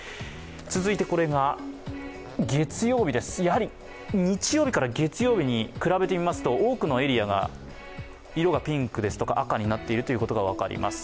続いて、これが月曜日です、日曜日から月曜日、比べてみますと、多くのエリアが色がピンクですとか赤に変わっていることが分かります。